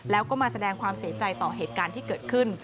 แล้วก็มาแสดงความเสียใจต่อเหตุการณ์ที่เกิดขึ้น